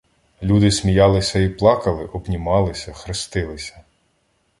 Люди сміялися і плакали, обнімалися, хрестилися.